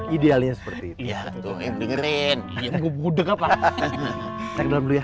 idealnya seperti itu ya tuh dengerin udah kapan